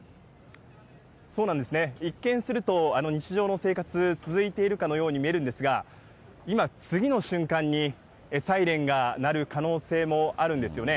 一見すると、日常の生活、続いているかのように見えるんですが、今、次の瞬間にサイレンが鳴る可能性もあるんですよね。